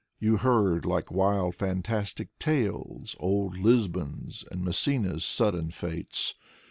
You heard like wild fantastic tales Old Lisbon's and Messina's sudden fates.